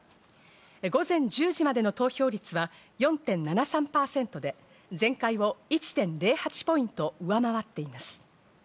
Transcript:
午前１０時までの投票率は４．７３％で前回を１．０８ポイント上回っています。